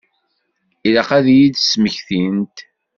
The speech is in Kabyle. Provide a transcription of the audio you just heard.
Ilaq ad iyi-d-smektint.